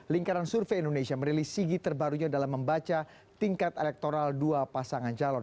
lingkaran survei indonesia merilis sigi terbarunya dalam membaca tingkat elektoral dua pasangan calon